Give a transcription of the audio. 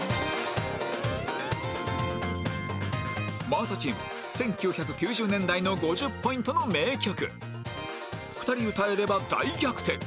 真麻チーム１９９０年代の５０ポイントの名曲２人歌えれば大逆転！